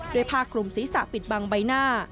ผ้าคลุมศีรษะปิดบังใบหน้า